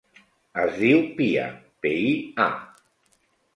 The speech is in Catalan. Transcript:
Es diu Pia: pe, i, a.